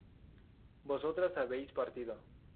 vosotras habéis partido